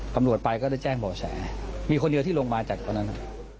ตำรวจไปก็ได้แจ้งบ่อแสมีคนเดียวที่ลงมาจากตอนนั้น